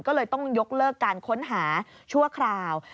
ก็เลยต้องยกเลิกการค้นหาชั่วคราว